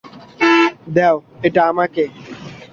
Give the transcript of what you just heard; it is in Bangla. দাও এটা আমাকে!